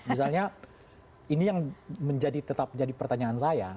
misalnya ini yang tetap jadi pertanyaan saya